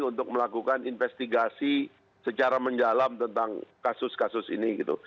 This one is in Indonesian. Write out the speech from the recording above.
untuk melakukan investigasi secara menjalam tentang kasus kasus ini